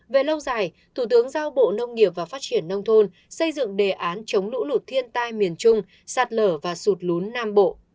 về lâu dài thủ tướng giao bộ nông nghiệp và phát triển nông thôn xây dựng đề án chống lũ lụt thiên tai miền trung sạt lở và sụt lún nam bộ